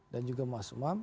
dan juga mas umam